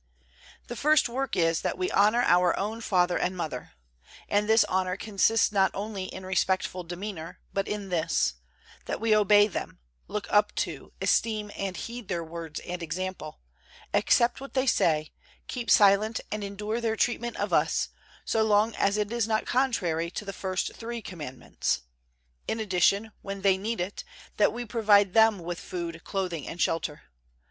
The first work is that we honor our own father and mother. And this honor consists not only in respectful demeanor, but in this: that we obey them, look up to, esteem and heed their words and example, accept what they say, keep silent and endure their treatment of us, so long as it is not contrary to the first three Commandments; in addition, when they need it, that we provide them with food, clothing and shelter.